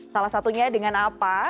salah satunya dengan apa